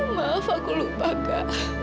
maaf aku lupa kak